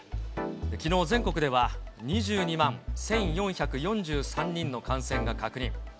きのう全国では、２２万１４４３人の感染が確認。